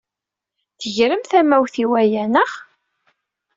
Tegrem tamawt i waya, naɣ?